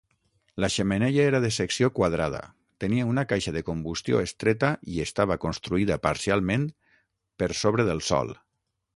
La xemeneia era de secció quadrada, tenia una caixa de combustió estreta i estava construïda parcialment per sobre del sòl.